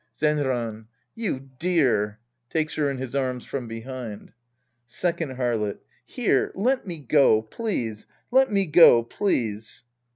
Zenran. You dear. {J^akes her in his arms from behind.) Second Harlot. Here, let me go, please. Let me go, please.